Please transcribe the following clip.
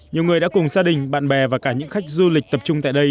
nhiều người đã cùng gia đình bạn bè và cả những khách du lịch tập trung tại đây